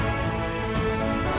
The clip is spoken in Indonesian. apakah ini itukah ketitup buka